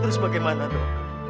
terus bagaimana dok